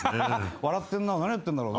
笑ってんな何やってんだろう。